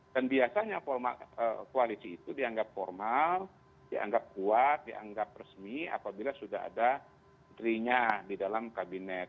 dan biasanya koalisi itu dianggap formal dianggap kuat dianggap resmi apabila sudah ada menterinya di dalam kabinet